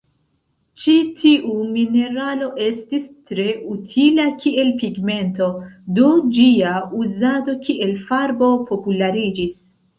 Ĉi tiu mineralo estis tre utila kiel pigmento, do ĝia uzado kiel farbo populariĝis.